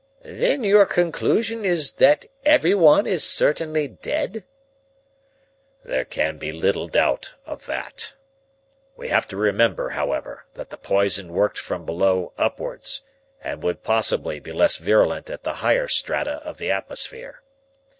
"Then your conclusion is that everyone is certainly dead?" "There can be little doubt of that. We have to remember, however, that the poison worked from below upwards and would possibly be less virulent in the higher strata of the atmosphere.